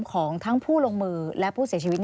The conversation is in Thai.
ของทั้งผู้ลงมือและผู้เสียชีวิต